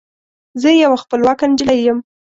زه یوه خپلواکه نجلۍ یم